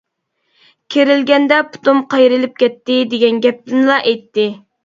كېرىلگەندە پۇتۇم قايرىلىپ كەتتى، دېگەن گەپنىلا ئېيتتى.